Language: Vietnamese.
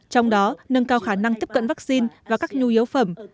trong đó nâng cao khả năng tiếp cận vaccine và các nhu yếu phẩm